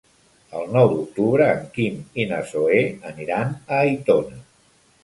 El nou d'octubre en Quim i na Zoè aniran a Aitona.